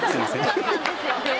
逆だったんですよね